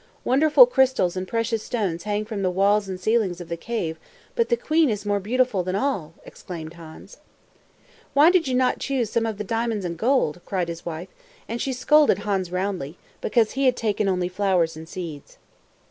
"Wonderful crystals and precious stones hang from the walls and ceiling of the cave, but the queen is more beautiful than all!" exclaimed Hans. "Why did you not choose some of the diamonds and gold?" cried his wife, and she scolded Hans roundly, because he had taken only flowers and seeds.